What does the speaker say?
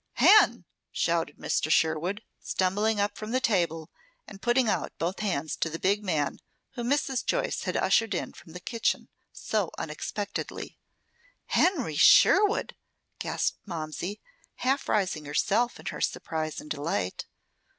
"Hen!" shouted Mr. Sherwood, stumbling up from the table, and putting out both hands to the big man whom Mrs. Joyce had ushered in from the kitchen so unexpectedly. "Henry Sherwood!" gasped Momsey, half rising herself in her surprise and delight.